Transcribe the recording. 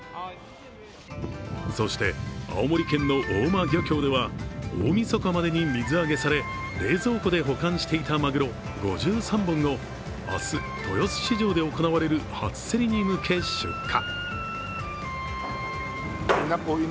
そして、青森県の大間漁協では大みそかまでに水揚げされ、冷蔵庫で保管していたまぐろ５３本を明日、豊洲市場で行われる初競りに向け、出荷。